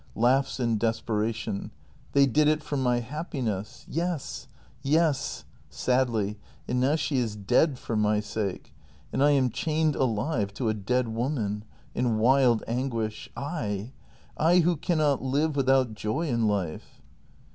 [Laughs in desperation.] They did it for my happiness ! Yes, yes! [Sadly.] And now she is dead — for my sake. And I am chained alive to a dead woman. [In wild an guish.] I — I who cannot live without joy in life!